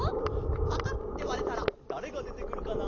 パカッてわれたらだれがでてくるかな？